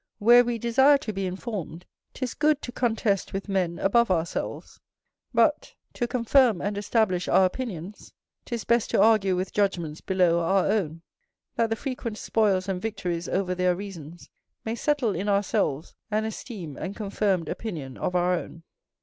Where we desire to be informed, 'tis good to contest with men above ourselves; but, to confirm and establish our opinions, 'tis best to argue with judgments below our own, that the frequent spoils and victories over their reasons may settle in ourselves an esteem and confirmed opinion of our own.